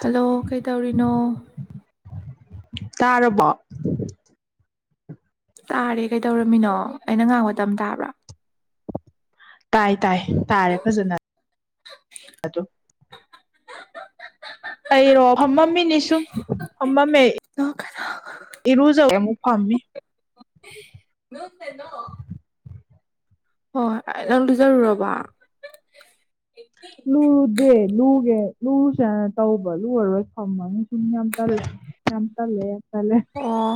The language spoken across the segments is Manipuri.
ꯍꯜꯂꯣ ꯀꯩ ꯇꯧꯔꯤꯅꯣ ꯇꯥꯔꯔꯕ ꯇꯥꯔꯦ ꯀꯩꯗꯧꯔꯝꯃꯤꯅꯣ ꯑꯩꯅ ꯉꯥꯡꯕ ꯃꯇꯝ ꯇꯥꯕ꯭ꯔꯥ ꯇꯥꯏ ꯇꯥꯏ ꯇꯥꯔꯦ ꯐꯖꯅ ꯑꯗꯨ ꯑꯩꯔꯣ ꯍꯝꯃꯝꯃꯤꯅꯤ ꯁꯨꯝ ꯍꯝꯃꯝꯃꯦ ꯏꯔꯨꯖꯕ ꯄꯝꯃꯤ ꯍ ꯅ ꯑꯗꯨꯖꯔ ꯔꯔꯔꯕ ꯂꯨꯔꯨꯗꯦ ꯂꯨꯒꯦ ꯂꯨꯔꯨꯁꯦꯅ ꯇꯧꯕ ꯂꯨꯔꯔꯣꯏ ꯊꯝꯃꯅꯤ ꯁꯨꯝ ꯃꯤ ꯌꯥꯝ ꯇꯂꯦ ꯌꯥꯝꯝ ꯇꯂꯦ ꯌꯥꯝ ꯇꯂꯦ ꯑꯣ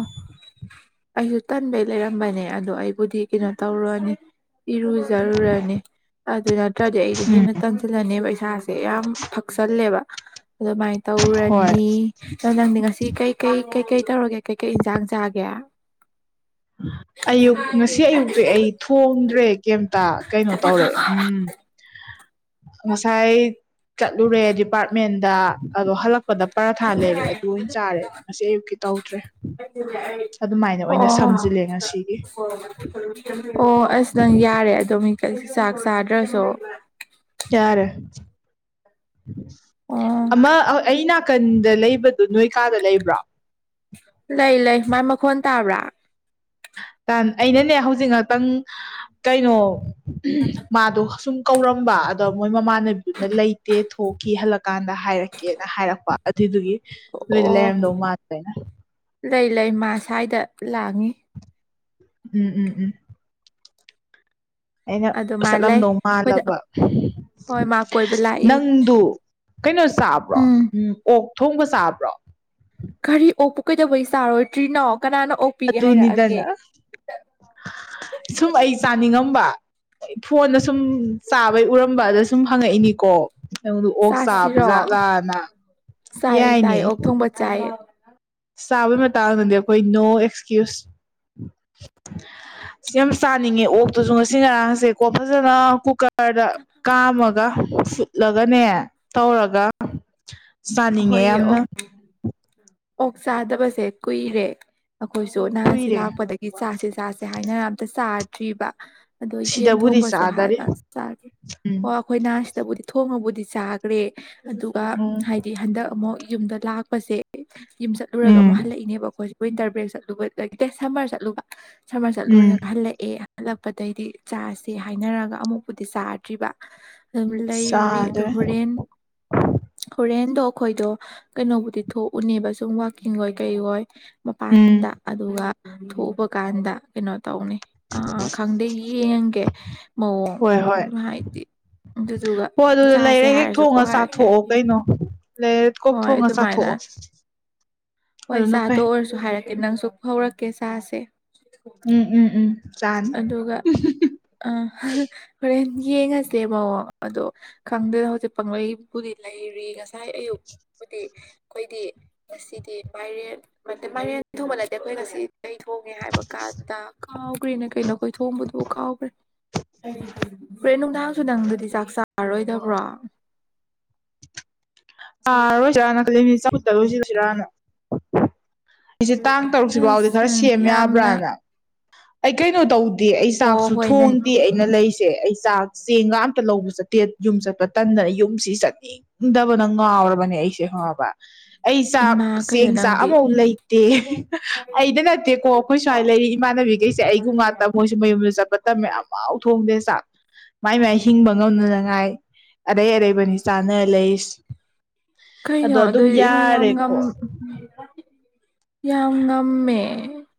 ꯑꯩꯁꯨ ꯇꯟꯕꯩ ꯂꯩꯔꯝꯕꯅꯦ ꯑꯗꯣ ꯑꯩꯕꯨꯗꯤ ꯀꯩꯅꯣ ꯇꯧꯔꯨꯔꯅꯤ ꯏꯔꯨꯖꯔꯨꯔꯅꯤ ꯑꯗꯨ ꯅꯠꯇ꯭ꯔꯗꯤ ꯑꯩꯗꯣ ꯎꯝ ꯍꯦꯟꯅ ꯇꯥꯟꯁꯤꯜꯂꯅꯦꯕ ꯏꯁꯥꯁꯦ ꯌꯥꯝ ꯐꯛꯆꯜꯂꯦꯕ ꯑꯗꯨꯃꯥꯏꯅ ꯍꯣꯏ ꯇꯧꯔꯅꯤ ꯑꯣ ꯅꯪꯗꯤ ꯉꯁꯤ ꯀꯩ ꯀꯩ ꯀꯩꯀꯩ ꯇꯧꯔꯒꯦ ꯀꯩꯀꯩ ꯏꯟꯁꯥꯡ ꯆꯥꯒꯦ ꯑꯌꯨꯛ ꯉꯁꯤ ꯑꯌꯨꯛꯇꯤ ꯑꯩ ꯊꯣꯡꯗ꯭ꯔꯦ ꯀꯩꯝꯇ ꯀꯩꯅꯣ ꯇꯧꯔꯦ ꯎꯝ ꯉꯁꯥꯏ ꯆꯠꯂꯨꯔꯦ ꯗꯤꯄꯥꯔꯠꯃꯦꯟꯗ ꯑꯗꯣ ꯍꯜꯂꯛꯄ ꯂꯄꯗ ꯄꯔꯥꯊꯥ ꯂꯩꯔꯑꯦ ꯑꯗꯨ ꯑꯣꯏꯅ ꯆꯥꯔꯦ ꯉꯁꯤ ꯑꯌꯨꯛꯀꯤ ꯇꯧꯗ꯭ꯔꯦ ꯑꯗꯨꯃꯥꯏꯅ ꯑꯣꯏꯅ ꯑꯣ ꯁꯝꯖꯤꯜꯂꯦ ꯉꯁꯤꯒꯤ ꯑꯣ ꯑꯁ ꯅꯪ ꯌꯥꯔꯦ ꯑꯗꯨꯣꯝ ꯆꯥꯛ ꯆꯥꯗ꯭ꯔꯁꯨ ꯌꯥꯔꯦ ꯑꯣ ꯑꯃ ꯑꯅꯥ ꯅꯥꯀꯟꯗ ꯂꯩꯕꯗꯨ ꯅꯣꯏꯀꯥꯗ ꯂꯩꯕ꯭ꯔꯥ ꯂꯩ ꯂꯩ ꯃꯥꯏ ꯃꯈꯣꯟ ꯇꯥꯕ꯭ꯔꯥ ꯑꯩꯅꯅꯦ ꯍꯧꯖꯤꯛ ꯉꯥꯛꯇꯪ ꯀꯩꯅꯣ ꯃꯥꯗꯣ ꯁꯨꯝ ꯀꯧꯔꯝꯕ ꯑꯗꯣ ꯃꯣꯏ ꯃꯃꯥꯟꯅꯕꯤꯗꯨꯅ ꯂꯩꯇꯦ ꯊꯣꯛꯈꯤ ꯍꯜꯂꯛ ꯀꯥꯟꯗ ꯍꯥꯏꯔꯛꯀꯦꯅ ꯍꯥꯏꯔꯛꯄ ꯑꯗꯨꯏꯗꯨꯒꯤ ꯅꯣꯏꯗꯤ ꯑꯣ ꯂꯩꯔꯝꯗꯧ ꯃꯥꯜꯂꯅ ꯂꯩ ꯂꯩ ꯃꯥ ꯁ꯭ꯋꯥꯏꯗ ꯂꯥꯡꯉꯤ ꯎꯝ ꯎꯝ ꯎꯝ ꯑꯩꯅ ꯑꯗꯣ ꯃꯥ ꯂꯩ ꯆꯠꯂꯝꯗꯧ ꯑꯩꯈꯣꯏꯗ ꯃꯥꯜꯂꯕ ꯍꯣꯏ ꯃꯥ ꯀꯣꯏꯕ ꯂꯥꯛꯏ ꯅꯪꯗꯨ ꯀꯩꯅꯣ ꯆꯥꯕ꯭ꯔꯣ ꯎꯝ ꯑꯣꯛ ꯊꯣꯡꯕ ꯆꯥꯕ꯭ꯔꯣ ꯀꯒꯥꯔꯤ ꯑꯣꯄ ꯀꯩꯗꯧꯕꯩ ꯆꯥꯔꯣꯏꯗ꯭ꯔꯤꯅꯣ ꯀꯅꯥꯅ ꯑꯣꯛꯄꯤꯒꯦ ꯍꯥꯏꯔꯛꯑꯒꯦ ꯑꯗꯨꯅꯤꯗꯅ ꯁꯨꯝ ꯑꯩ ꯆꯥꯅꯤꯡꯉꯝ ꯐꯣꯟꯗ ꯁꯨꯝ ꯆꯥꯕꯩ ꯎꯔꯝꯕ ꯑꯗ ꯁꯨꯝ ꯍꯪꯉꯛꯏꯅꯤꯀꯣ ꯅꯪꯗ ꯑꯣꯛ ꯆꯥꯕ ꯆꯥꯁꯤꯔꯣ ꯖꯥꯠꯂꯥꯅ ꯆꯥꯏꯌꯦ ꯌꯥꯏꯅꯦ ꯆꯥꯏꯌꯦ ꯑꯣꯛ ꯊꯣꯡꯕ ꯆꯥꯏꯌꯦ ꯁꯥꯕꯩ ꯃꯇꯥꯡꯗꯗꯤ ꯑꯩꯈꯣꯏ ꯅꯣ ꯑꯦꯛꯁꯀ꯭ꯌꯨꯁ ꯌꯥꯝ ꯆꯥꯅꯤꯡꯉꯦ ꯑꯣꯛꯇꯨꯁꯨ ꯉꯁꯤ ꯉꯔꯥꯡꯁꯦꯀꯣ ꯐꯖꯅ ꯀꯨꯀꯔ ꯔꯗ ꯀꯥꯝꯃꯒ ꯐꯨꯠꯂꯒꯅꯦ ꯇꯧꯔꯒ ꯆꯥꯅꯤꯡꯉꯦ ꯍꯣꯏꯌꯦ ꯌꯥꯝꯅ ꯑꯣꯛ ꯑꯣꯛ ꯆꯥꯗꯕꯁꯦ ꯀꯨꯏꯔꯦ ꯑꯩꯈꯣꯏꯁꯨ ꯅꯍꯥꯟꯁꯤꯦ ꯀꯨꯏꯔꯦ ꯂꯥꯛꯄꯗꯒꯤ ꯆꯥꯁꯦ ꯆꯥꯁꯦ ꯍꯥꯏꯅꯔ ꯑꯝꯇ ꯆꯥꯗ꯭ꯔꯤꯕ ꯑꯗꯣ ꯌꯦꯟ ꯁꯤꯗꯕꯨꯗꯤ ꯊꯣꯡꯕꯁꯨ ꯆꯥꯗꯔꯤ ꯍꯥꯟꯅ ꯆꯥꯒꯦ ꯎꯝ ꯑꯣ ꯑꯩꯈꯣꯏ ꯅꯍꯥꯁꯤꯗꯕꯨꯗꯤ ꯊꯣꯡꯉꯕꯨꯗꯤ ꯆꯥꯈ꯭ꯔꯦ ꯑꯗꯨꯒ ꯎꯝ ꯍꯥꯏꯗꯤ ꯍꯟꯗꯛ ꯑꯃꯨꯛ ꯌꯨꯝꯗ ꯂꯥꯛꯄꯁꯦ ꯌꯨꯝ ꯆꯠꯂꯨꯔꯒ ꯑꯃꯨꯛ ꯎꯝ ꯍꯜꯂꯛꯏꯅꯦꯕ ꯑꯩꯈꯣꯏ ꯋꯤꯟꯇꯔ ꯕ꯭ꯔꯦꯛ ꯆꯠꯂꯨꯕꯗꯒꯤ ꯁꯝꯃꯔ ꯆꯠꯂꯨꯕ ꯁꯔꯃꯔ ꯎꯝ ꯆꯠꯂꯨꯔꯒ ꯍꯜꯂꯛꯑꯦ ꯍꯜꯂꯛꯄꯗꯒꯤꯩꯗꯤ ꯆꯥꯁꯦ ꯍꯥꯏꯅꯔꯒ ꯑꯃꯨꯛꯄꯨꯗꯤ ꯆꯥꯗ꯭ꯔꯤꯕ ꯂꯩꯥꯏꯔꯗ ꯆꯥꯗ꯭ꯔꯦ ꯍꯣꯔꯦꯟ ꯍꯔꯦꯟ ꯇꯣ ꯑꯩꯈꯣꯏꯗꯣ ꯀꯩꯅꯣꯕꯨꯗꯤ ꯊꯣꯛꯎꯅꯦꯕ ꯁꯨꯝ ꯋꯥꯛꯀꯤꯡ ꯍꯣꯏ ꯀꯩ ꯍꯣꯏ ꯎꯝ ꯃꯄꯥꯟꯗ ꯑꯗꯨꯒ ꯊꯣꯛꯎꯕ ꯀꯥꯟꯗ ꯀꯩꯅꯣ ꯇꯧꯅꯤ ꯑ ꯈꯪꯗꯦ ꯌꯦꯡꯒꯦ ꯍꯣꯏ ꯍꯣꯏ ꯃꯑꯣꯡ ꯍꯥꯏꯗꯤ ꯑꯗꯨꯗꯨꯒ ꯍꯣꯏ ꯑꯗꯨꯗ ꯏꯆꯥꯁꯦ ꯂꯩꯔ ꯍꯦꯛ ꯍꯥꯏꯔꯁꯨꯀꯣ ꯊꯣꯡꯉ ꯆꯥꯊꯣꯛꯑꯣ ꯍꯥꯏꯔꯀꯦ ꯀꯩꯅꯣ ꯂꯩꯔ ꯀꯣꯛ ꯍꯣꯏ ꯊꯣꯡꯉ ꯑꯗꯨꯃꯥꯏꯅ ꯆꯥꯊꯣꯛꯑꯣ ꯍꯣꯏ ꯑꯗꯨꯅ ꯆꯥꯗ ꯐꯩ ꯑꯣꯏꯔꯁꯨ ꯍꯥꯏ ꯍꯥꯏꯔꯛꯀꯦ ꯅꯪꯁꯨ ꯍꯧꯔꯛꯀꯦ ꯆꯥꯁꯦ ꯎꯝ ꯎꯝ ꯎꯝ ꯆꯥꯅꯤ ꯑꯗꯨꯒ ꯑ ꯍꯣꯔꯦꯟ ꯌꯦꯡꯉꯁꯦ ꯃꯑꯣꯡ ꯑꯗꯣ ꯈꯪꯗꯅ ꯍꯧꯖꯤꯛ ꯄꯪꯂꯪꯂꯩꯕꯨꯗꯤ ꯂꯩꯔꯤ ꯉꯁꯥꯏ ꯑꯌꯨꯛ ꯗꯤ ꯑꯩꯈꯣꯏꯗꯤ ꯉꯁꯤꯗꯤ ꯃꯥꯏꯔꯦꯟ ꯃꯥꯏꯔꯦꯟ ꯊꯣꯡꯕ ꯅꯠꯇꯦ ꯑꯩꯈꯣꯏ ꯉꯁꯤꯗꯤ ꯊꯣꯡꯉꯦ ꯍꯥꯏꯕ ꯀꯥꯟꯗ ꯀꯥꯎꯈ꯭ꯔꯦꯅ ꯀꯩꯅꯣꯈꯣꯏ ꯊꯣꯡꯕꯗꯨꯕꯨ ꯀꯥꯎꯈ꯭ꯔꯦ ꯍꯔꯦꯟ ꯅꯨꯡꯗꯥꯡꯁꯨ ꯅꯪꯗꯨꯗꯤ ꯆꯥꯛ ꯆꯥꯔꯔꯣꯏꯗꯕ꯭ꯔꯣ ꯇꯥꯔꯣꯏꯁꯤꯔꯥꯅ ꯀ ꯃꯤꯅꯤꯠ ꯆꯥꯃꯨꯛꯇ ꯂꯣꯏꯁꯤꯂꯁꯤꯔꯥꯅ ꯑꯩꯁꯦ ꯇꯥꯡ ꯇꯔꯨꯛꯁꯤ ꯐꯥꯎꯗꯤ ꯑꯁ ꯈꯔ ꯅꯪꯗꯤ ꯁꯦꯝ ꯌꯥꯝꯅ ꯌꯥꯕ꯭ꯔꯥꯅ ꯑꯩ ꯀꯩꯅꯣ ꯇꯧꯗꯦ ꯑꯩ ꯑꯣ ꯆꯥꯛꯁꯨ ꯍꯣꯏ ꯅꯪ ꯊꯣꯡꯗꯦ ꯑꯩꯅ ꯂꯩꯁꯦ ꯑꯩ ꯆꯥꯛ ꯆꯦꯡꯒ ꯑꯇ ꯂꯧꯕ ꯆꯠꯇꯦ ꯌꯨꯝ ꯆꯠꯄ ꯇꯟꯗꯅ ꯌꯨꯝꯁꯤ ꯆꯠꯅꯤꯡꯗꯕ ꯅꯪ ꯉꯥꯎꯔꯕꯅꯦ ꯑꯩꯁꯦ ꯍꯣꯏꯕ ꯑꯩ ꯆꯥꯛ ꯏꯃꯥ ꯀꯩꯅꯣ ꯆꯦꯡ ꯆꯥꯛ ꯅꯪꯗꯤ ꯑꯃꯐꯥꯎ ꯂꯩꯇꯦ ꯑꯩꯗ ꯅꯠꯇꯦꯀꯣ ꯑꯩꯈꯣꯏ ꯁꯨꯋꯥꯥꯏ ꯂꯩꯔꯤ ꯏꯃꯥꯅ ꯈꯩꯁꯦ ꯑꯩꯒꯤ ꯉꯥꯛꯇ ꯃꯣꯏꯁꯨ ꯃꯌꯨꯝꯗ ꯆꯠꯄ ꯇꯃꯦꯌꯥꯝ ꯊꯣꯡꯗꯦ ꯆꯥꯛ ꯃꯥꯏ ꯃꯥꯏ ꯍꯤꯡꯕ ꯉꯝꯅꯅꯉꯥꯏ ꯑꯔꯩ ꯑꯔꯩꯕꯅꯤ ꯆꯥꯅ ꯂꯩꯁ ꯀꯩꯅꯣ ꯑꯗꯨꯑꯣꯏꯗꯤ ꯏꯃꯥ ꯌꯥꯝ ꯉ ꯌꯥꯔꯦꯀꯣ ꯌꯥꯝ ꯉꯝꯃꯦ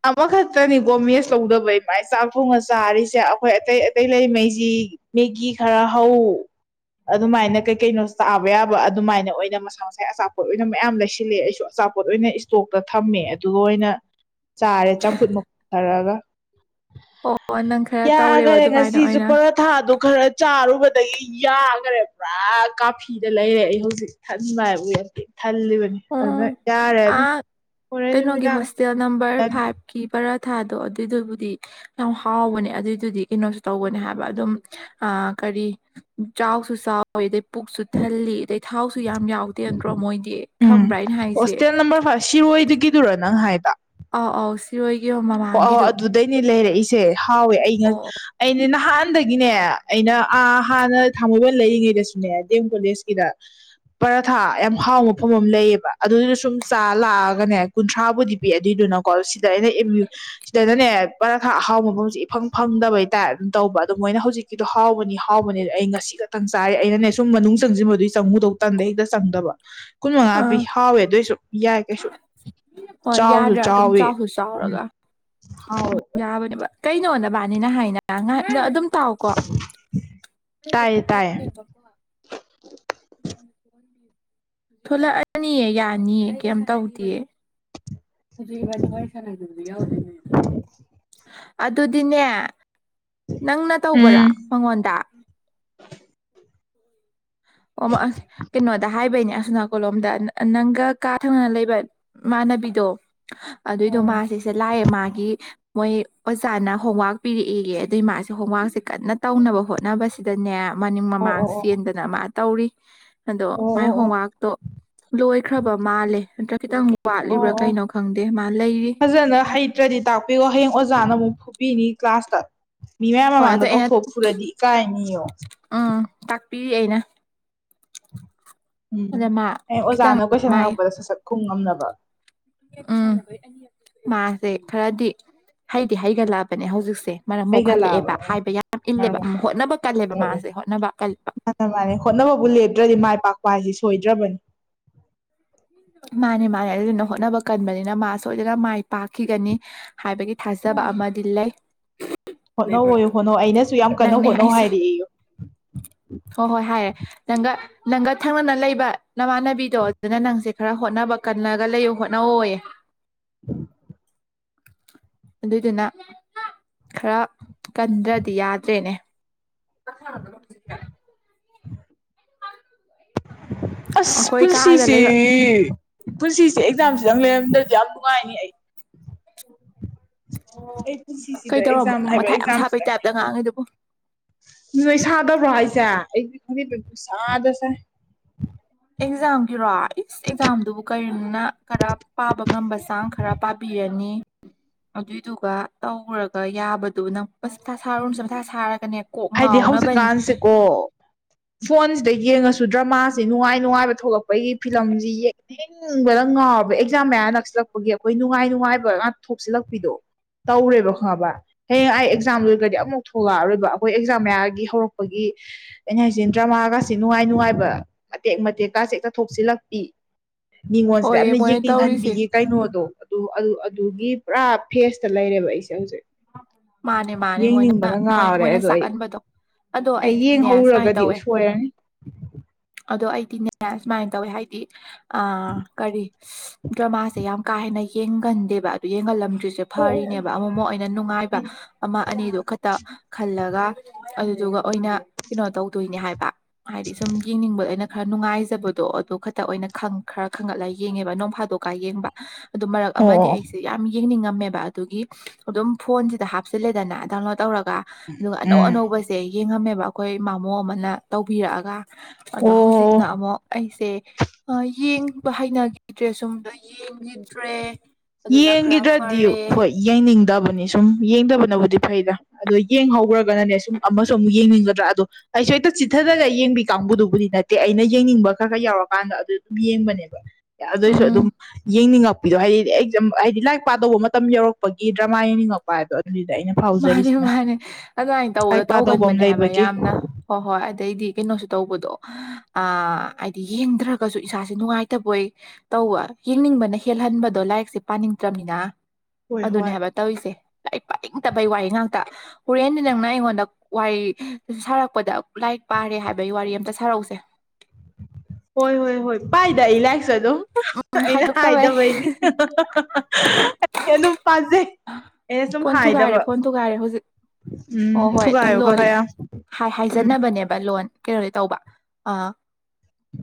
ꯑꯃ ꯈ ꯈꯛꯇꯅꯤ ꯒꯣ ꯃꯦꯁ ꯂꯧꯗꯕꯩ ꯃꯥꯏ ꯆꯥꯛ ꯊꯣꯡꯉ ꯆꯥꯔꯤꯁꯦ ꯑꯩꯈꯣꯏ ꯑꯇꯩ ꯑꯇꯩ ꯂꯩꯉꯩꯁꯤ ꯃꯦꯒꯤ ꯈꯔ ꯍꯥꯎ ꯑꯗꯨꯃꯥꯏꯅ ꯀꯩ ꯀꯩꯅꯣ ꯆꯥꯕ ꯌꯥꯕ ꯑꯗꯨꯃꯥꯏꯅ ꯑꯣꯏꯅ ꯃꯁꯥ ꯃꯁꯥ ꯑꯆꯥꯄꯣꯠ ꯑꯣꯏꯅ ꯃꯌꯥꯝ ꯂꯩꯁꯤꯜꯂꯦ ꯑꯩꯁꯨꯆꯥ ꯑꯆꯥꯄꯣꯠ ꯑꯣꯏꯅ ꯏꯁꯇꯣꯛꯇ ꯊꯝꯃꯦ ꯑꯗꯨꯒ ꯑꯣꯏꯅ ꯆꯥꯔꯦ ꯆꯥꯝꯐꯨꯠ ꯃꯨꯛꯊꯔꯛꯒ ꯑꯣ ꯅꯪ ꯈꯔ ꯇꯧꯔꯦꯕ ꯌꯥꯈꯔꯦ ꯑꯗꯨꯃꯥꯏꯅ ꯉꯁꯤꯁꯨ ꯑꯣꯏꯅ ꯄꯔꯊꯥꯗꯣ ꯈꯔ ꯆꯥꯔꯨꯕ ꯑꯗꯒꯤ ꯌꯥꯈꯔꯦ ꯄꯨꯔꯥ ꯀꯥꯐꯤꯗ ꯂꯩꯔꯦ ꯑꯩ ꯍꯧꯖꯤꯛ ꯊꯟꯕ ꯍꯥꯏꯕꯨ ꯊꯜꯂꯤꯕꯅꯤ ꯑꯣ ꯑꯗꯨꯅ ꯌꯥꯔꯦ ꯑꯗꯨꯝ ꯑꯥ ꯍꯣꯔꯦꯟ ꯀꯩꯅꯣꯒꯤ ꯅꯨꯃꯤꯗꯥꯡ ꯍꯣꯁꯇꯦꯜ ꯅꯝꯕꯔ ꯆꯥꯔꯅꯤ ꯐꯥꯏꯚꯀꯤ ꯈꯔ ꯊꯥꯗꯣ ꯑꯗꯨꯏꯗꯨꯕꯨꯗꯤ ꯌꯥꯝ ꯍꯥꯎꯕꯅꯦ ꯑꯗꯨꯏꯗꯨꯗꯤ ꯀꯩꯅꯣꯁꯨ ꯇꯧꯕꯅꯦ ꯍꯥꯏꯕ ꯑꯗꯨꯝ ꯀꯔꯤ ꯆꯥꯎꯁꯨ ꯆꯥꯎꯋ ꯑꯗ ꯄꯨꯛꯁꯨ ꯊ ꯑꯗ ꯊꯥꯎ ꯑꯗꯨꯨ ꯌꯥꯝ ꯌꯥꯎꯗꯦ ꯅꯠꯇ꯭ꯔꯣ ꯃꯣꯏꯗꯤ ꯎꯝ ꯈꯪꯕ꯭ꯔꯥ ꯑꯩꯅ ꯍꯥꯏꯁꯦ ꯍꯣꯁꯇꯦꯜ ꯅꯝꯕꯔ ꯐꯥꯏꯚ ꯁꯤꯔꯣꯏꯒꯤꯗꯨꯔꯣ ꯅꯪ ꯍꯥꯏꯗ ꯑꯣ ꯑꯣ ꯁꯤꯔ ꯑꯣ ꯑ ꯑꯗꯨꯗꯩꯅꯦ ꯂꯩꯔꯛꯏꯁꯦ ꯍꯥꯎꯋꯦ ꯑꯩꯩꯅ ꯑꯣ ꯑꯩꯅꯦ ꯅꯍꯥꯟ ꯍꯥꯟꯗꯒꯤꯅꯦ ꯑꯩꯅ ꯑꯥ ꯍꯥꯟꯅ ꯊꯥꯡꯃꯩꯕꯟ ꯂꯩꯔꯤꯉꯩꯗꯁꯨꯅꯦ ꯗꯤ ꯑꯦꯝ ꯀꯣꯂꯦꯖꯀꯤꯗ ꯄꯔꯥꯊꯥ ꯌꯥꯝ ꯍꯥꯎ ꯃꯐꯝ ꯑꯃ ꯂꯩꯌꯦꯕ ꯑꯗꯨꯗꯨꯅ ꯁꯨꯝ ꯆꯥ ꯂꯥꯛꯑꯒꯅꯦ ꯀꯨꯟꯊ꯭ꯔꯥꯕꯨꯗꯤ ꯄꯤ ꯑꯗꯨꯏꯗꯨ ꯅ ꯀꯣꯁꯤꯗꯅꯦ ꯁꯤꯗꯅꯦ ꯄꯔꯥꯊꯥꯛ ꯑꯍꯥꯎꯕ ꯃꯐꯝꯁꯦ ꯏꯐꯪ ꯐꯪꯗꯕꯩꯇꯥꯔꯦ ꯑꯗꯨꯝ ꯇꯧꯕ ꯑꯗꯨꯣ ꯃꯣꯏꯅ ꯍꯧꯖꯤꯛꯀꯤꯗꯣ ꯍꯥꯎꯕꯅꯤ ꯑ ꯍꯥꯎꯕꯅꯦ ꯑꯩ ꯉꯁꯤ ꯈꯛꯇꯪ ꯆꯥꯏꯔꯦ ꯑꯩꯅꯅꯦ ꯁꯨꯝ ꯃꯅꯨꯡ ꯆꯪꯁꯤꯟꯕꯗꯨꯒꯤ ꯆꯪꯉꯨꯗꯧ ꯇꯟꯗ ꯍꯦꯛꯇ ꯆꯪꯗꯕ ꯀꯨꯟꯃꯉꯥ ꯄꯤ ꯑꯥ ꯍꯥꯎꯋꯦ ꯑꯗꯨꯑꯣꯏꯁꯨ ꯌꯥꯏ ꯀꯩꯁꯨ ꯍꯣꯏ ꯆꯥꯎꯁꯨ ꯌꯥꯗ꯭ꯔꯥ ꯑꯗꯨꯝ ꯆꯥꯎꯋ ꯆꯥꯎꯁꯨ ꯎꯝ ꯆꯥꯎꯔꯒ ꯍꯥꯎꯋꯦ ꯌꯥꯕꯅꯦꯕ ꯀꯩꯅꯣꯗꯕꯥꯅꯤꯅ ꯍꯥꯏꯅ ꯉꯥꯏꯍꯥꯛ ꯑꯗꯨꯝ ꯇꯥꯎ ꯀꯣ ꯇꯥꯏꯌꯦ ꯇꯥꯏꯌꯦ ꯊꯣꯛꯂꯛꯇꯦꯕꯀꯣ ꯊꯂꯛꯑꯅꯤꯑ ꯌꯥꯅꯤꯑ ꯀꯩꯝ ꯇꯧꯗꯦꯑ ꯍꯧꯖꯤꯛꯕꯥ ꯁꯅꯗ ꯑꯗꯨꯗꯤꯅꯦ ꯅꯪꯅ ꯇꯧꯕꯔꯥ ꯎꯝ ꯃꯉꯣꯟꯗ ꯑꯣ ꯀꯩꯅꯣꯗ ꯍꯥꯏꯕꯩꯅꯦ ꯑꯁꯅꯥ ꯀꯣꯂꯣꯝꯗ ꯅꯪꯒ ꯀꯥ ꯊꯪꯅꯅ ꯂꯩꯕ ꯃꯥ ꯆꯅꯕꯤꯗꯣ ꯑꯗꯨꯑꯣꯏꯗꯣ ꯎꯝ ꯃꯥꯁꯤꯁꯦ ꯂꯥꯛꯑꯦ ꯃꯥꯒꯤ ꯃꯣꯏ ꯑꯣꯖꯥꯅ ꯍꯣꯋꯥꯛ ꯄꯤꯔꯛꯏꯒ ꯑꯗꯨꯏ ꯃꯥꯁꯦ ꯍꯣꯝꯋꯥꯛꯁꯦ ꯀꯟꯅ ꯇꯧꯅꯕ ꯍꯣꯠꯅꯕꯁꯤꯗꯅꯦ ꯃꯅꯤꯡ ꯑꯣ ꯑꯣ ꯃꯃꯥꯡ ꯑꯣ ꯆꯦꯟꯗꯅ ꯃꯥ ꯇꯧꯔꯤ ꯑꯗꯣ ꯑꯣ ꯃꯥꯏ ꯑꯣ ꯍꯣꯝꯋꯔꯛꯇꯣ ꯂꯣꯏꯈ꯭ꯔꯕ ꯃꯥꯜꯂꯦ ꯅꯠꯇ꯭ꯔ ꯈꯤꯇꯪ ꯑꯣ ꯋꯥꯠꯂꯤꯕ꯭ꯔꯥ ꯑꯣ ꯀꯩꯅꯣ ꯈꯪꯗꯦ ꯃꯥ ꯂꯩꯔꯤ ꯐꯖꯅ ꯍꯩꯇ꯭ꯔꯗꯤ ꯇꯥꯛꯄꯤꯌꯣ ꯍꯌꯦꯡ ꯑꯣꯖꯥꯅ ꯑꯃꯨꯛ ꯐꯨꯕꯤꯅꯤ ꯀ꯭ꯂꯥꯁꯇ ꯃꯤ ꯃꯌꯥꯝ ꯍꯣꯏ ꯃꯃꯥꯡꯗ ꯑꯗꯣ ꯑꯩꯅ ꯀꯧꯊꯣꯛ ꯄꯨꯨꯔꯗꯤ ꯏꯀꯥꯏꯅꯤꯌꯣ ꯎꯝ ꯇꯥꯛꯄꯤꯔꯤ ꯑꯩꯅ ꯎꯝ ꯑꯗ ꯃꯥ ꯑꯩ ꯈꯤꯇꯪ ꯑꯣꯖꯥꯅ ꯀꯣꯏꯁꯟ ꯃꯥꯏ ꯍꯪꯉꯛꯄꯗ ꯁꯠ ꯁꯠ ꯈꯣꯡ ꯉꯝꯅꯕ ꯎꯝ ꯃꯥꯁꯦ ꯈꯔꯗꯤ ꯍꯩꯗꯤ ꯍꯩꯒꯠꯂꯛꯑꯕꯅꯦ ꯍꯧꯖꯤꯛꯁꯦ ꯃꯔꯝ ꯃꯣꯛꯍꯜꯂꯛꯑꯦꯕ ꯍꯩꯒꯠꯂꯛꯑꯕ ꯎꯝ ꯍꯥꯏꯕ ꯌꯥꯝ ꯃꯔꯝ ꯏꯜꯂꯦꯕ ꯍꯣꯠꯅꯕ ꯀꯜꯂꯦꯕ ꯃꯥꯁꯦ ꯍꯣꯠꯅꯕ ꯀꯜꯕ ꯃꯥꯅ ꯃꯥꯅꯦ ꯍꯣꯠꯅꯕꯕꯨ ꯂꯦꯞꯇ꯭ꯔꯗꯤ ꯃꯥꯏ ꯄꯥꯛꯄ ꯍꯥꯏꯁꯤ ꯁꯣꯏꯗ꯭ꯔꯕꯅꯤ ꯃꯥꯅꯦ ꯃꯥꯅꯦ ꯑꯗꯨꯗꯨꯅ ꯍꯣꯠꯅꯕ ꯀꯟꯕꯅꯤꯅ ꯃꯥ ꯁꯣꯏꯗꯅ ꯃꯥꯏ ꯄꯥꯛꯈꯤꯒꯅꯤ ꯍꯥꯏꯕꯒꯤ ꯊꯥꯖꯕ ꯑꯃꯗꯤ ꯂꯩ ꯍꯣꯠꯅꯧꯋ ꯍꯣꯠꯅꯧ ꯑꯩꯅꯁꯨ ꯌꯥꯝ ꯀꯟꯅ ꯍꯣꯠꯅꯧ ꯍꯥꯏꯔ ꯑꯩ ꯍꯣ ꯍꯣꯏ ꯍꯥꯏꯦ ꯅꯪꯒ ꯅꯪꯒ ꯊꯪꯅꯅ ꯂꯩꯕ ꯅꯃꯥꯟꯅꯕꯤꯗꯣ ꯑꯗꯨꯅ ꯅꯪꯁꯦ ꯈꯔ ꯍꯣꯠꯅꯕ ꯀꯂꯒ ꯂꯩꯌꯨ ꯍꯣꯠꯅꯧ ꯍꯣꯏ ꯎꯝ ꯑꯗꯨꯏꯗꯨꯅ ꯈꯔ ꯀꯟꯗ꯭ꯔꯗꯤ ꯌꯥꯗ꯭ꯔꯦꯅꯦ ꯑꯁꯦ ꯑꯁ ꯑꯩꯈꯣꯏ ꯀꯥꯗ ꯄꯨꯟꯁꯤꯁꯤ ꯂꯩꯕ ꯄꯨꯟꯁꯤꯁ ꯑꯦꯛꯖꯥꯝꯁꯤꯗꯪ ꯂꯩꯔꯝꯗ꯭ꯔꯗꯤ ꯌꯥꯝ ꯅꯨꯡꯉꯥꯏꯅꯤ ꯑꯩ ꯎꯝ ꯑꯩ ꯑꯣ ꯄꯨꯟꯁꯤꯁꯤꯗ ꯀꯩ ꯇꯧꯔꯝꯃꯣ ꯑꯦꯛꯖꯥꯝ ꯅꯪ ꯍꯥꯏꯕ ꯃꯊꯥꯏ ꯌꯥꯝ ꯁꯥꯄꯩ ꯇꯥꯏꯞꯇ ꯉꯥꯡꯉꯤꯗꯨꯕꯨ ꯑꯗꯨ ꯅꯣꯏ ꯁꯥꯗꯕ꯭ꯔꯣ ꯍꯥꯏꯁꯦ ꯑꯩꯗꯤ ꯈꯪꯗꯗꯕꯨ ꯁꯥꯗꯁꯦ ꯑꯦꯛꯖꯥꯝꯒꯤꯔꯣ ꯏꯁ ꯑꯦꯛꯖꯥꯝꯗꯨꯕꯨ ꯀꯔꯤꯝꯅ ꯈꯔ ꯄꯥꯕ ꯉꯝꯕ ꯆꯥꯡ ꯈꯔ ꯄꯥꯕꯤ ꯌꯥꯅꯤ ꯑꯗꯨꯏꯗꯨꯒ ꯇꯧꯔꯒ ꯌꯥꯕꯗꯨ ꯅꯪꯁ ꯃꯊꯥ ꯁꯥꯔꯨꯔꯅꯁꯨ ꯃꯊꯥ ꯁꯥꯔꯒꯅꯦ ꯀꯣꯛ ꯍꯥꯏꯗꯤ ꯉꯥꯎꯅꯕꯅꯤ ꯍꯧꯖꯤꯛꯀꯥꯟꯁꯦꯀꯣ ꯐꯣꯟꯁꯤꯗ ꯌꯦꯡꯉꯁꯨ ꯗ꯭ꯔꯃꯥꯁꯤ ꯅꯨꯡꯉꯥꯏ ꯅꯨꯡꯉꯥꯏꯕ ꯊꯣꯛꯂꯛꯄꯒꯤ ꯐꯤꯂꯝꯁꯤ ꯌꯦꯡꯅꯤꯡꯕꯗ ꯉꯥꯎꯕ ꯑꯦꯛꯖꯥꯝ ꯃꯌꯥ ꯅꯛꯁꯤ ꯛꯄꯒꯤ ꯑꯩꯈꯣꯏ ꯅꯨꯡꯉꯥꯏ ꯅꯨꯡꯉꯥꯏꯕ ꯉꯥꯛ ꯊꯣꯛꯆꯤꯜꯂꯛꯄꯤꯗꯣ ꯇꯧꯔꯦꯕ ꯈꯪꯉꯕ ꯍꯌꯦꯡ ꯑꯩ ꯑꯦꯛꯖꯥꯝꯗꯨ ꯑꯣꯏꯔꯒꯗꯤ ꯑꯃꯨꯛ ꯊꯂꯛꯑꯔꯣꯏꯕ ꯑꯩꯈꯣꯏ ꯑꯦꯛꯖꯥꯝ ꯃꯌꯥꯔꯒꯤ ꯍꯧꯔꯛꯄꯒꯤ ꯑꯩꯅ ꯍꯥꯏꯁꯤꯟ ꯗ꯭ꯔꯃꯥꯒꯁꯤꯦ ꯅꯨꯡꯉꯥꯏ ꯅꯨꯡꯉꯥꯏꯕ ꯑꯇꯦꯛ ꯃꯇꯦꯛ ꯥꯁꯦꯛꯇꯊꯣꯛꯆꯜꯂꯛꯄꯤ ꯃꯤꯉꯣꯟꯁꯤꯗ ꯍꯣꯏꯌꯦ ꯌꯥꯝꯅ ꯃꯣꯏꯅ ꯇꯧꯔꯤꯁꯦ ꯌꯦꯡꯅꯤꯡꯍꯟꯕꯤꯒꯦ ꯀꯩꯅꯣꯗꯣ ꯑꯗꯨ ꯑꯗꯨ ꯑꯗꯨꯒꯤ ꯄꯨꯔꯥ ꯐꯦꯁꯇ ꯂꯩꯔꯦꯕ ꯑꯩꯁꯦ ꯍꯧꯖꯤꯛ ꯃꯥꯅꯦ ꯃꯥꯅꯦ ꯃꯣꯏꯅ ꯌꯦꯡꯅꯤꯡꯕꯅ ꯉꯥꯎꯔꯦ ꯃꯣꯏꯅ ꯑꯗꯣ ꯑꯩ ꯀꯟꯕꯗꯣ ꯑꯗꯣ ꯑꯩ ꯑꯩꯗꯤꯅꯦ ꯁꯨꯃꯥꯏꯅ ꯌꯦꯡꯍꯧꯔꯒꯗꯤ ꯇꯧꯋꯦ ꯁꯣꯏꯔꯅꯤ ꯑꯗꯣ ꯑꯩꯗꯤꯅꯦ ꯁꯨꯃꯥꯏꯅ ꯇꯧꯋꯦ ꯍꯥꯏꯗꯤ ꯀꯔꯤ ꯗ꯭ꯔꯃꯥꯁꯦ ꯌꯥꯝ ꯀꯥ ꯍꯦꯟꯅ ꯌꯦꯡꯒꯟꯗꯦꯕ ꯑꯗꯨ ꯌꯦꯡꯒꯜꯂꯝꯗ꯭ꯔꯤꯁꯦ ꯑꯣ ꯐꯔꯤꯅꯦꯕ ꯑꯃꯃꯛ ꯑꯣꯏꯅ ꯅ ꯅꯨꯡꯉꯥꯏꯕ ꯑꯃ ꯑꯅꯤꯗꯨ ꯈꯛꯇ ꯈꯜꯂꯒ ꯑꯗꯨꯗꯨꯒ ꯑꯣꯏꯅ ꯀꯩꯅꯣ ꯇꯧꯗꯣꯏꯅꯦ ꯍꯥꯏꯕ ꯍꯥꯏꯗꯤ ꯁꯨꯝ ꯌꯦꯡꯅꯤꯡꯕꯗ ꯑꯩꯅ ꯈꯔ ꯅꯨꯡꯉꯥꯏꯖꯕꯗꯣ ꯑꯗꯨ ꯈꯛꯇ ꯑꯣꯏꯅ ꯈꯔ ꯈꯪꯒꯠꯂꯒ ꯌꯦꯡꯉꯦꯕ ꯅꯣꯡ ꯐꯥꯗꯣꯛꯀ ꯌꯦꯡꯕ ꯑꯗꯨ ꯃꯔꯛ ꯑꯃꯗꯤ ꯑꯣ ꯑꯩꯁꯦ ꯌꯥꯝ ꯌꯦꯡꯅꯤꯡꯉꯝꯃꯦꯕ ꯑꯗꯨꯒꯤ ꯑꯗꯨꯝ ꯐꯣꯟꯁꯤꯗ ꯍꯥꯞꯆꯤꯜꯂꯦꯗꯅ ꯗꯥꯎꯟꯂꯣꯗ ꯇꯧꯔꯒ ꯑꯗꯨꯒ ꯑꯅꯧ ꯎꯝ ꯑꯅꯧꯕꯁꯦ ꯌꯦꯡꯉꯝꯃꯦꯕ ꯑꯩꯈꯣꯏ ꯏꯃꯥꯃꯣ ꯑꯃꯅ ꯇꯧꯕꯤꯔꯛꯑꯒ ꯑꯗꯣ ꯑꯣ ꯍꯧꯖꯤꯛꯅ ꯑꯃꯨꯛ ꯑꯩꯁꯦ ꯁꯦ ꯌꯦꯡꯕ ꯍꯩꯅꯈꯤꯗ꯭ꯔꯦ ꯁꯨꯝꯗ ꯌꯦꯡꯈꯤꯗ꯭ꯔꯦ ꯑꯗꯨꯅ ꯈꯔ ꯌꯦꯡꯒꯤꯗ꯭ꯔꯗꯤ ꯐꯔꯦ ꯍꯣꯏ ꯌꯦꯡꯅꯤꯡꯗꯕꯅꯤ ꯁꯨꯝ ꯌꯦꯡꯗꯕꯅꯕꯨꯗꯤ ꯐꯩꯗ ꯑꯗꯣ ꯌꯦꯡꯍꯧꯈ꯭ꯔꯒꯅꯅꯦ ꯁꯨꯝ ꯑꯃꯁꯨ ꯑꯃꯨꯛ ꯌꯦꯡꯅꯤꯡꯒꯗ꯭ꯔꯥ ꯑꯗꯣ ꯑꯩꯁꯨ ꯍꯦꯛꯇ ꯆꯤꯊꯔꯒ ꯌꯦꯡꯕꯤ ꯀꯥꯡꯕꯨꯗꯨꯕꯨꯗꯤ ꯅꯠꯇꯦ ꯑꯩꯅ ꯌꯦꯡꯅꯤꯡꯕ ꯈꯔ ꯈꯔ ꯌꯥꯎꯔꯀꯥꯟꯗ ꯑꯗꯨ ꯑꯗꯨꯝ ꯌꯦꯡꯕꯅꯦꯕ ꯑꯗꯨꯑꯣꯏꯁꯨ ꯑꯗꯨꯝ ꯎꯝ ꯌꯦꯡꯅꯤꯡꯉꯛꯄꯤꯗꯣ ꯍꯥꯏꯗꯤ ꯍꯥꯏꯗꯤ ꯂꯥꯏꯔꯤꯛ ꯄꯥꯗꯧꯕ ꯃꯇꯝ ꯌꯧꯔꯛꯄꯒꯤ ꯗ꯭ꯔꯃꯥ ꯌꯦꯡꯅꯤꯡꯉꯛꯄ ꯍꯥꯏꯕꯗꯣ ꯑꯗꯨꯗꯤ ꯃꯥꯅꯦ ꯃꯥꯅꯦ ꯑꯗꯨꯃꯥꯏꯅ ꯇꯧꯕꯗꯣ ꯂꯥꯏꯔꯤꯛ ꯄꯥꯗꯧꯕ ꯑꯃ ꯇꯧꯒꯟꯕꯅꯦ ꯍꯥꯏꯕ ꯂꯩꯕꯒꯤ ꯌꯥꯝꯅ ꯍꯣꯏ ꯍꯣꯏ ꯑꯗꯩꯗꯤ ꯀꯩꯅꯣꯁꯨ ꯇꯧꯕꯗꯣ ꯑ ꯍꯥꯏꯗꯤ ꯌꯦꯡꯗ꯭ꯔꯒꯁꯨ ꯏꯁꯥꯁꯦ ꯅꯨꯡꯉꯥꯏꯇꯕꯣꯏ ꯇꯧꯋ ꯌꯦꯡꯅꯤꯡꯕꯅ ꯍꯦꯜꯍꯟꯕꯗꯣ ꯂꯥꯏꯔꯤꯛꯁꯦ ꯄꯥꯅꯤꯡꯗ꯭ꯔꯕꯅꯤꯅ ꯍꯣꯏ ꯑꯗꯨꯅꯦ ꯍꯣꯏ ꯍꯥꯏꯕ ꯇꯧꯔꯤꯁꯦ ꯐꯠꯇꯕꯩ ꯋꯥꯔꯤ ꯉꯥꯛꯇ ꯍꯣꯔꯦꯟꯗꯤ ꯅꯪꯅ ꯑꯩꯉꯣꯟꯗ ꯋꯥꯔꯤ ꯁꯥꯔꯛꯄꯗ ꯂꯥꯏꯔꯤꯛ ꯄꯥꯔꯦ ꯍꯥꯏꯕ ꯋꯥꯔꯤ ꯑꯝꯇ ꯁꯥꯔꯛꯎꯁꯦ ꯍꯣꯏ ꯍꯣꯏ ꯍꯣꯏ ꯄꯥꯏꯗ ꯏꯂꯥꯏ ꯁ ꯑꯗꯨꯝ ꯎꯝ ꯑꯩꯅ ꯍꯥꯏꯗꯣꯛꯇꯕꯩ ꯍꯥꯏꯗꯕꯩꯅꯤ ꯑꯩ ꯑꯗꯨꯝ ꯄꯥꯖꯩ ꯑꯩꯅ ꯁꯨꯝ ꯐꯣꯟ ꯊꯨꯒꯥꯏꯔꯦ ꯍꯥꯏꯗꯕ ꯐꯣꯟ ꯊꯨꯒꯥꯏꯔꯦ ꯍꯧꯖꯤꯛ ꯑꯣ ꯎꯝ ꯍꯣꯏ ꯊꯨꯒꯥꯏꯌꯣ ꯈꯔ ꯂꯣꯟ ꯈꯔ ꯌꯥꯝ ꯎꯝ ꯍꯥꯏꯖꯅꯕꯅꯦꯕ ꯂꯣꯟ ꯀꯦꯔꯣꯂ ꯇꯧꯕ ꯑ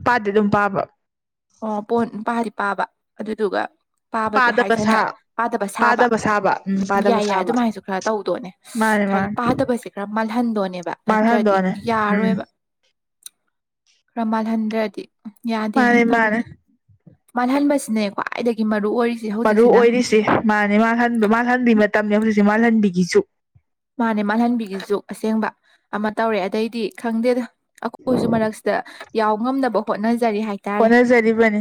ꯄꯥꯗꯤ ꯑꯗꯨꯝ ꯄꯥꯕ ꯑꯣ ꯄꯄꯥꯗꯤ ꯄꯥꯕ ꯑꯗꯨꯗꯨꯒ ꯄꯥꯕꯗꯤ ꯄꯥꯗꯕ ꯍꯥꯏꯁꯅ ꯁꯥ ꯄꯥꯗꯕ ꯁꯥꯕ ꯎꯝ ꯌꯥꯏ ꯌꯥꯏ ꯑꯗꯨꯃꯥꯏꯁꯨ ꯈꯔ ꯇꯧꯗꯣꯅꯦ ꯃꯥꯅꯦ ꯍꯥꯏꯗꯤ ꯃꯥꯅꯦ ꯄꯥꯗꯕꯁꯦ ꯈꯔ ꯃꯥꯜꯍꯟꯗꯣꯅꯦꯕ ꯃꯥꯅ ꯅꯠꯇ꯭ꯔꯗꯤ ꯍꯟꯗꯣꯛꯑꯅꯦ ꯌꯥꯔꯣꯏꯕ [unintelligible] ꯔꯃꯥꯜ ꯍꯟꯗ꯭ꯔꯠ ꯍꯥꯏꯗꯤ ꯌꯥꯗꯦꯅꯦ ꯃꯥꯅꯦ ꯃꯥꯅꯦ ꯇꯧꯔꯤꯁꯦ ꯃꯜꯍꯟꯕꯁꯤꯅꯦ ꯈ꯭ꯋꯥꯏ ꯃꯔꯨꯑꯣ ꯑꯣꯏ ꯃꯔꯨ ꯑꯣꯏꯔꯤꯁ ꯃꯥꯅꯦ ꯃꯥꯜꯍꯟ ꯃꯥꯜꯍꯟꯕꯤ ꯃꯇꯝꯅꯤ ꯍꯧꯖꯤꯛꯁꯦ ꯃꯥꯜꯍꯟꯕꯤꯈꯤꯁꯨ ꯃꯥꯅꯦ ꯃꯥꯜꯍꯟꯕꯤꯒꯤ ꯖꯨꯛ ꯑꯁꯦꯡꯕ ꯑꯃ ꯇꯧꯔꯦ ꯑꯗꯩꯗꯤ ꯈꯪꯗꯦꯗ ꯑꯩꯈꯣꯏꯁꯨ ꯃꯔꯛꯁꯤꯗ ꯌꯥꯎ ꯉꯝꯅꯕ ꯍꯣꯠꯅꯖꯩ ꯍꯅꯖꯔꯤꯔꯤꯕꯅꯦ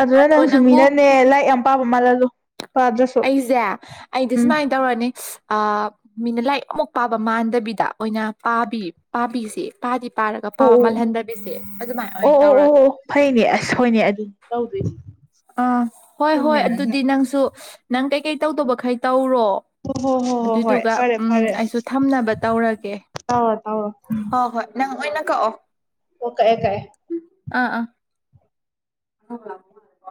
ꯑꯗꯨꯅ ꯑꯗꯣ ꯅꯪꯁꯨꯨ ꯅꯪꯕꯨ ꯃꯤꯅꯅꯦ ꯂꯥꯏꯔꯤꯛ ꯌꯥꯝ ꯄꯥꯕ ꯃꯥꯜꯍꯜꯂꯨ ꯄꯥꯗ꯭ꯔꯁꯨ ꯑꯩꯁꯦ ꯑꯩꯗꯤ ꯎꯝ ꯁꯨꯃꯥꯏꯅ ꯇꯧꯔꯅꯤ ꯑ ꯃꯤꯅ ꯂꯥꯏꯔꯤꯛ ꯑꯃꯨꯛ ꯄꯥꯕ ꯃꯥꯟꯗꯕꯤꯗ ꯑꯣꯏꯅ ꯄꯥꯕꯤ ꯄꯥꯕꯤꯁꯦ ꯄꯥꯗꯤ ꯄꯥꯔꯒ ꯑꯣ ꯄꯥꯕ ꯃꯥꯜꯍꯟꯗꯕꯤꯁꯦ ꯑꯗꯨꯃꯥꯏꯅ ꯑꯣꯏꯅ ꯑꯣ ꯑꯣ ꯑꯣ ꯑꯣ ꯇꯧꯔꯒꯦ ꯑꯣ ꯐꯩꯅꯦ ꯑꯁ ꯍꯣꯏꯅꯦ ꯑꯗꯨꯅꯤ ꯇꯧꯗꯣꯏꯅꯦ ꯑꯥ ꯍꯣꯏ ꯍꯣꯏ ꯑꯗꯨꯗꯤ ꯅꯪꯁꯨ ꯅꯪ ꯀꯩꯀꯩ ꯇꯧꯗꯕꯈꯩ ꯇꯧꯔꯣ ꯍꯣ ꯍꯣ ꯍꯣ ꯍꯣ ꯍꯣꯏ ꯑꯗꯨꯏꯗꯨꯒ ꯐꯔꯦ ꯎꯝ ꯑꯩꯁꯨ ꯊꯝꯅꯕ ꯇꯧꯔꯒꯦ ꯇꯥꯎ ꯇꯥꯎ ꯍꯣꯏ ꯍꯣꯏ ꯅꯪ ꯑꯣꯏꯅ ꯀꯛꯑꯣ ꯑꯣ ꯀꯥꯏ ꯀꯥꯏ ꯑꯥ ꯑꯥ